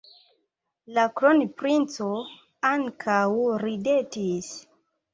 La kronprinco ankaŭ ridetis.